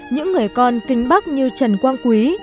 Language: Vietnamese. những người con kinh bắc như trần quang quý